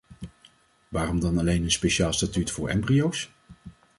Waarom dan alleen een speciaal statuut voor embryo's?